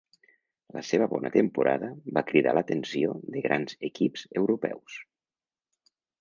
La seva bona temporada va cridar l'atenció de grans equips europeus.